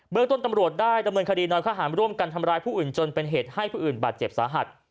เมืองต้นตำรวจได้ดำเนินคดีน้อยข้อหารร่วมกันทำร้ายผู้อื่นจนเป็นเหตุให้ผู้อื่นบาดเจ็บสาหัส